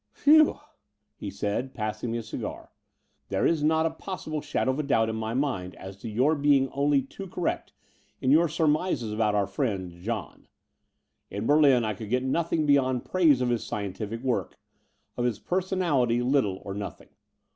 "Phew," he said, passing me a cigar, there is not a possible shadow of doubt in my mind as to your being only too correct in your surmises about our friend 'John.' In Berlin I could get nothing beyond praise of his scientific work — of his person ality little or nothing.